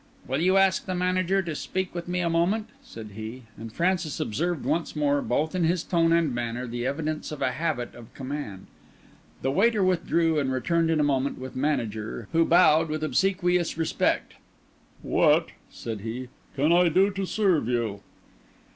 "Will you ask the manager to speak with me a moment?" said he; and Francis observed once more, both in his tone and manner, the evidence of a habit of command. The waiter withdrew, and returned in a moment with manager, who bowed with obsequious respect. "What," said he, "can I do to serve you?"